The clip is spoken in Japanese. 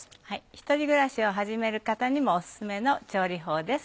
１人暮らしを始める方にもオススメの調理法です。